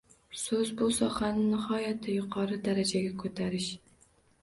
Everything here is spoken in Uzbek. «So‘z bu sohani nihoyatda yuqori darajaga ko‘tarish